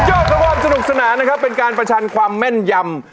สุดยอดตระวับสนุกสนานเป็นการประชันความแม่นยำ